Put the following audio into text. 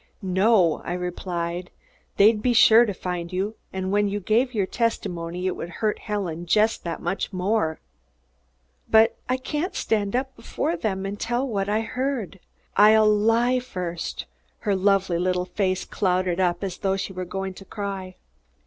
"No," I replied. "They'd be sure to find you, and when you gave your testimony, it would hurt Helen just that much more." "But I can't stand up before them and tell what I heard. I'll lie first." Her lovely little face clouded up as though she were going to cry.